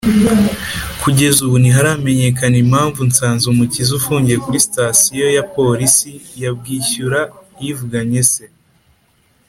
Kugeza ubu ntiharamenyekana impamvu Nsanzumukiza ufungiye kuri sitasiyo ya Polisi ya Bwishyura yivuganye se